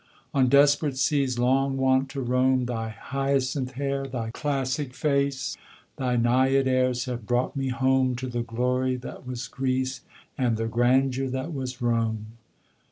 On desperate seas long wont to roam, Thy hyacinth hair, thy classic face, Thy Naiad airs have brought me home To the glory that was Greece, And the grandeur that was Rome.